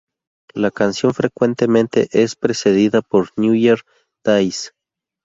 La canción frecuentemente es precedida por New Year's Day.